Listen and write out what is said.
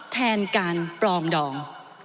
แทนการปลอมดอง